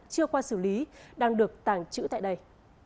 chưa qua xử lý đang được tàng trữ tại đây